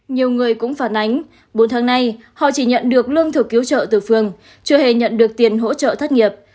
nhiều người cũng phản ánh bốn tháng nay họ chỉ nhận được lương thực cứu trợ từ phường chưa hề nhận được tiền hỗ trợ thất nghiệp